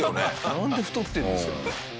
なんで太ってるんですか？